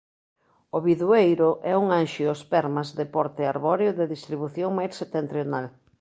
O bidueiro é un anxiospermas de porte arbóreo de distribución máis setentrional.